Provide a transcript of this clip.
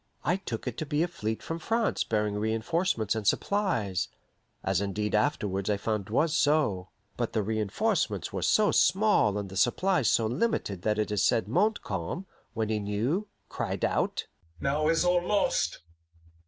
I took it to be a fleet from France bearing re enforcements and supplies as indeed afterwards I found was so; but the re enforcements were so small and the supplies so limited that it is said Montcalm, when he knew, cried out, "Now is all lost!